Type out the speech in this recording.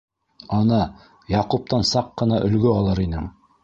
Ана, Яҡуптан саҡ ҡына өлгө алыр инең.